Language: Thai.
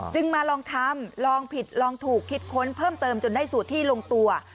มาลองทำลองผิดลองถูกคิดค้นเพิ่มเติมจนได้สูตรที่ลงตัว